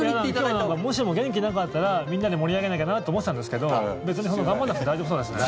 今日もしも元気なかったらみんなで盛り上げなきゃなって思ってたんですけど別にそんな頑張らなくて大丈夫そうですね。